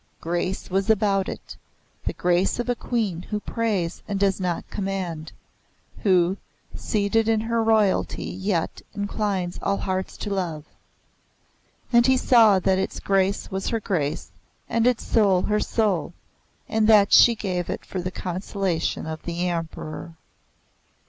Grace was about it the grace of a Queen who prays and does not command; who, seated in her royalty yet inclines all hearts to love. And he saw that its grace was her grace, and its soul her soul, and that she gave it for the consolation of the Emperor.